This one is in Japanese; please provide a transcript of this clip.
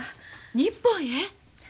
日本へ？